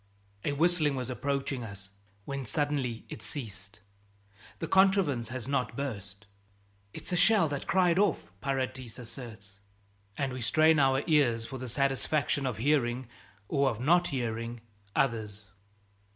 A whistling was approaching us when suddenly it ceased. The contrivance has not burst. "It's a shell that cried off," Paradis asserts. And we strain our ears for the satisfaction of hearing or of not hearing others.